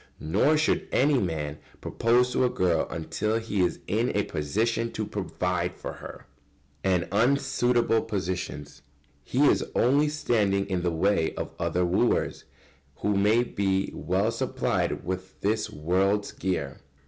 Nor should any man propose to a girl until he is in a position to provide for her. [Sidenote: And unsuitable positions.] He is only standing in the way of other wooers who may be well supplied with this world's gear.